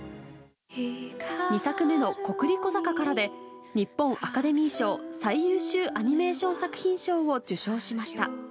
２作目の「コクリコ坂から」で日本アカデミー賞最優秀アニメーション作品賞を受賞しました。